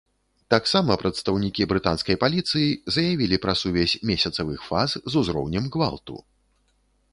Таксама прадстаўнікі брытанскай паліцыі заявілі пра сувязь месяцавых фаз з узроўнем гвалту.